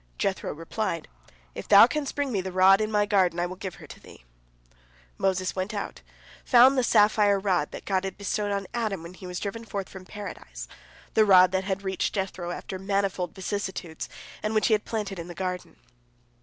Jethro replied, "If thou canst bring me the rod in my garden, I will give her to thee." Moses went out, found the sapphire rod that God had bestowed upon Adam when he was driven forth from Paradise, the rod that had reached Jethro after manifold vicissitudes, and which he had planted in the garden.